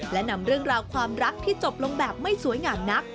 และนำเรื่องราวความรักที่จบลงแบบไม่สวยงามนัก